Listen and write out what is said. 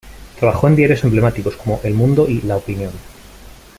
Trabajó en diarios emblemáticos, como "El Mundo" y "La Opinión".